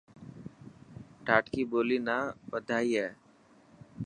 ڌاٽڪي ٻولي نا وڌائي هي.